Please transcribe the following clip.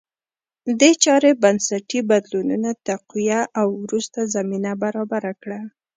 دې چارې بنسټي بدلونونه تقویه او وروسته زمینه برابره کړه